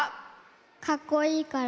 かっこいいから。